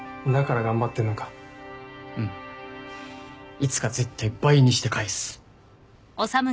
いつか絶対倍にして返す。